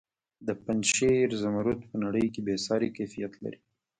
د پنجشیر زمرد په نړۍ کې بې ساري کیفیت لري.